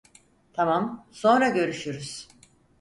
Tamam, sonra görüşürüz.